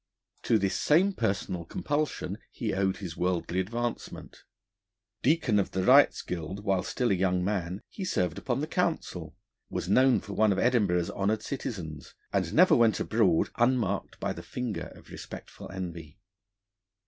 To this same personal compulsion he owed his worldly advancement. Deacon of the Wrights' Guild while still a young man, he served upon the Council, was known for one of Edinburgh's honoured citizens, and never went abroad unmarked by the finger of respectful envy.